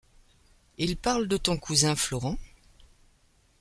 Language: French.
Ils parlent de ton cousin Florent ?